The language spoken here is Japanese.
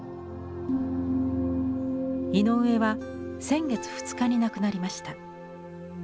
井上は先月２日に亡くなりました。